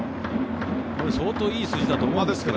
相当いい数字だと思いますね。